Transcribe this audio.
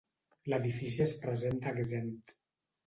L'edifici es presenta exempt.